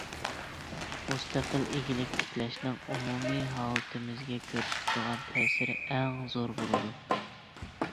مۇستەقىل ئىگىلىك تىكلەشنىڭ ئومۇمى ھالىتىمىزگە كۆرسىتىدىغان تەسىرى ئەڭ زور بولىدۇ.